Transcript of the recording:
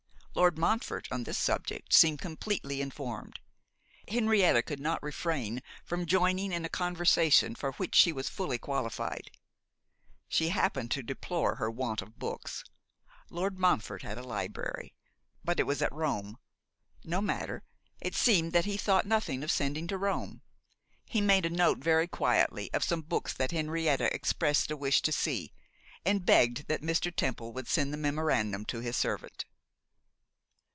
Lord Montfort, on this subject, seemed completely informed. Henrietta could not refrain from joining in a conversation for which she was fully qualified. She happened to deplore her want of books. Lord Montfort had a library; but it was at Rome: no matter; it seemed that he thought nothing of sending to Rome. He made a note very quietly of some books that Henrietta expressed a wish to see, and begged that Mr. Temple would send the memorandum to his servant.